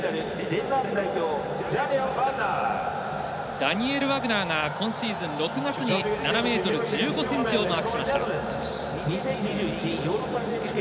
ダニエル・ワグナーが今シーズン６月に７ｍ１５ｃｍをマークしました。